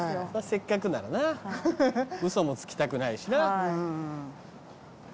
せっかくならな嘘もつきたくないしな。